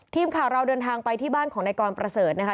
ทีมข่าวเราเดินทางไปที่บ้านของนายกรประเสริฐนะคะ